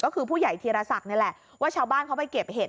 ก็คือผู้ใหญ่ธีรศักดิ์นี่แหละว่าชาวบ้านเขาไปเก็บเห็ด